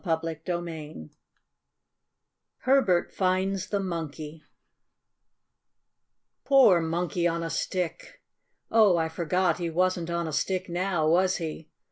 CHAPTER VIII HERBERT FINDS THE MONKEY Poor Monkey on a Stick! Oh, I forgot! He wasn't on a stick now, was he?